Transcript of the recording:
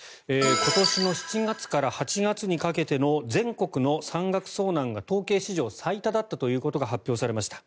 今年の７月から８月にかけての全国の山岳遭難が統計史上最多だったことが発表されました。